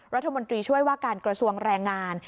รัฐมนตรีช่วยว่าการกระทรวงแรงงาน